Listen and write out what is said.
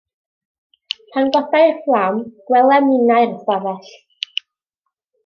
Pan godai'r fflam, gwelem ninnau'r ystafell.